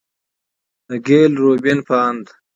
د ګيل روبين په اند،